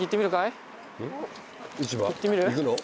行ってみる？